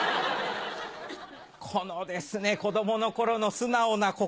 このですね子供の頃の素直な心。